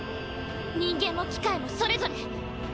人間も機械もそれぞれ。